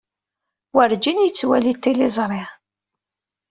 Werǧin yettwali tiliẓri.